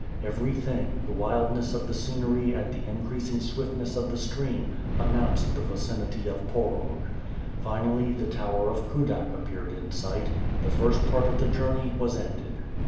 Ever}' thing, the wildness of the scenery and the increasing swiftness of the stream announced the vicinity of Porog. Finally the tower of Kudak appeared in sight; the first part of the journey was ended.